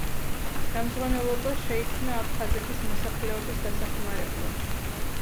ხელმძღვანელობა შეიქმნა აფხაზეთის მოსახლეობის დასახმარებლად.